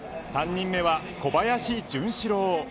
３人目は小林潤志郎。